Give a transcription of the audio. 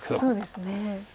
そうですね。